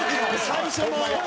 最初の。